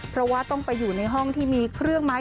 เพราะว่าต้องไปอยู่ในห้องที่มีเครื่องไม้